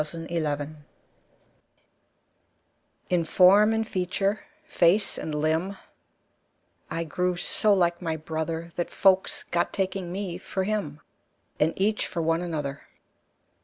Y Z The Twins IN FORM and feature, face and limb, I grew so like my brother, That folks got taking me for him, And each for one another.